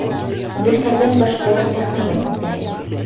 Зөлфәрҙән башҡалар сәхнәгә китә.